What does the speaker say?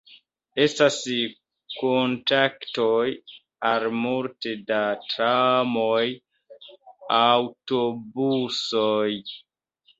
Estas kontaktoj al multe da tramoj, aŭtobusoj.